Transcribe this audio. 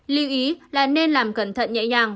lưu ý là nên làm cẩn thận nhẹ nhàng